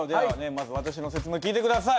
まず私の説明聞いて下さい。